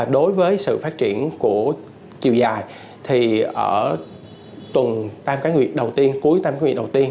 đối với sự phát triển của chiều dài thì ở tuần ba cái nguyệt đầu tiên cuối ba cái nguyệt đầu tiên